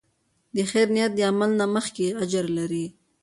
د خیر نیت د عمل نه مخکې اجر لري.